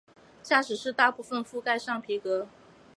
驾驶室大部份覆盖上皮革。